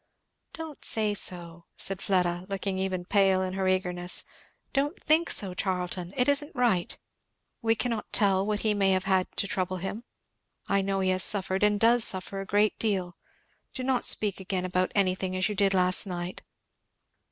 "Don't say so!" said Fleda, looking even pale in her eagerness "don't think so, Charlton! it isn't right. We cannot tell what he may have had to trouble him I know he has suffered and does suffer a great deal. Do not speak again about anything as you did last night!